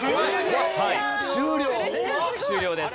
終了です。